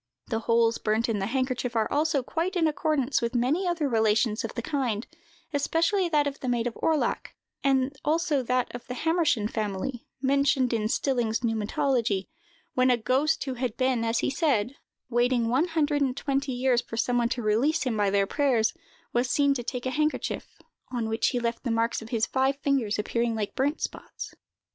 The holes burnt in the handkerchief are also quite in accordance with many other relations of the kind, especially that of the maid of Orlach, and also that of the Hammerschan family, mentioned in "Stilling's Pneumatology," when a ghost who had been, as he said, waiting one hundred and twenty years for some one to release him by their prayers, was seen to take a handkerchief, on which he left the marks of his five fingers, appearing like burnt spots.